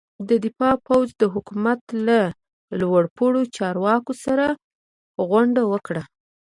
د دفاع پوځ د حکومت له لوړ پوړو چارواکو سره غونډه وکړه.